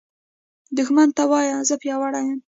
دښمن ته وایه “زه پیاوړی یم”